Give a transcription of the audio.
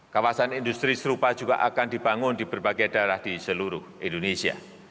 kawasan industri serupa juga akan dibangun di berbagai daerah di seluruh indonesia